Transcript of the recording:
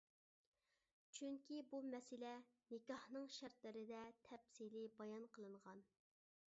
چۈنكى بۇ مەسىلە «نىكاھنىڭ شەرتلىرى» دە تەپسىلىي بايان قىلىنغان.